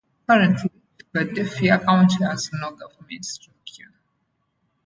Currently, Philadelphia County has no government structure.